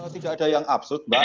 tidak ada yang absurd mbak